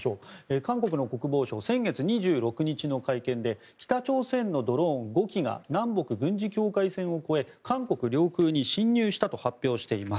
韓国の国防省先月の２６日の会見で北朝鮮のドローン５機が南北軍事境界線を越え韓国領空に侵入したと発表しています。